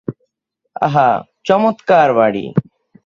আহা, চমৎকার বাড়ি।